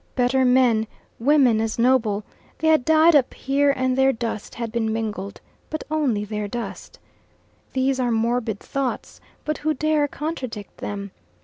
Better men, women as noble they had died up here and their dust had been mingled, but only their dust. These are morbid thoughts, but who dare contradict them?